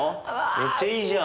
めっちゃいいじゃん！